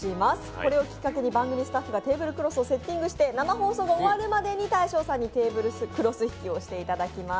これをきっかけに番組スタッフがテーブルクロスをセッティングして生放送で終わるまでに大昇さんにテーブルクロス引きをしていただきます。